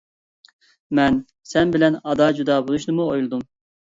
مەن سەن بىلەن ئادا-جۇدا بولۇشنىمۇ ئويلىدىم.